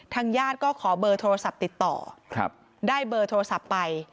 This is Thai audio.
ญาติก็ขอเบอร์โทรศัพท์ติดต่อได้เบอร์โทรศัพท์ไป